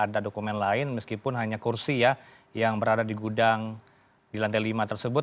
ada dokumen lain meskipun hanya kursi ya yang berada di gudang di lantai lima tersebut